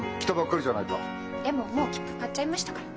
でももう切符買っちゃいましたから。